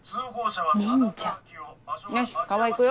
よし川合行くよ。